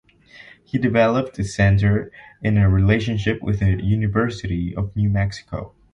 He developed the center in a relationship with the University of New Mexico.